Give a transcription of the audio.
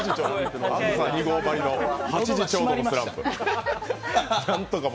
「あずさ２号」ばりの８時ちょうどのスランプ。